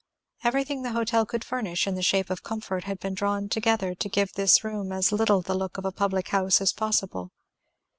Everything the hotel could furnish in the shape of comfort had been drawn together to give this room as little the look of a public house as possible.